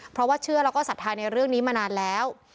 เพราะว่าเชื่อแล้วก็ศรัทธาในเรื่องนี้มานานแล้ว